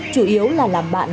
chủ yếu là làm bạn